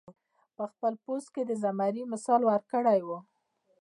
پۀ خپل پوسټ کښې د زمري مثال ورکړے وۀ -